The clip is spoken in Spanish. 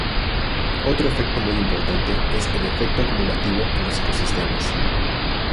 Otro efecto muy importante es el efecto acumulativo en los ecosistemas.